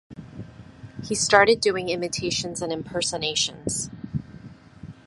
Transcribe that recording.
He started doing imitations and impersonations.